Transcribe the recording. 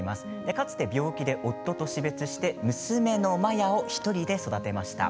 かつて病気で夫と死別して娘のマヤを１人で育てました。